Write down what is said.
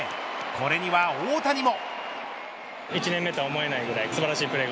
これには大谷も。